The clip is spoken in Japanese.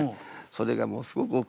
それがもうすごく多くて。